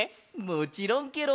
もちろんケロ！